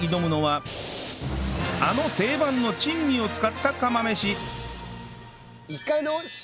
あの定番の珍味を使った釜飯